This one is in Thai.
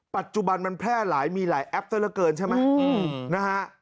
ปัจจุบันมันแพร่หลายมีหลายแอปเตอร์เหลือเกินใช่ไหมนะฮะ